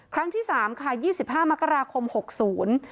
ครั้งที่สามค่ะยี่สิบห้ามกราคมหกศูนย์